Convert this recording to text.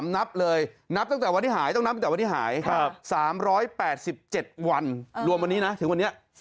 นับเลยนับตั้งแต่วันที่หายต้องนับตั้งแต่วันที่หาย๓๘๗วันรวมวันนี้นะถึงวันนี้